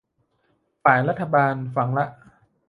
ฝ่ายรัฐบาลฝั่งละ